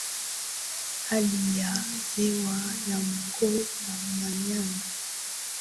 hali ya hewa ya Mkoa wa manyara